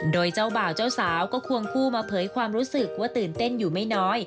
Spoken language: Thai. โดยเจ้าบ่าวเจ้าสาวก็ควงคู่มาเผยความรู้สึกว่าตื่นเต้นอยู่ไม่น้อย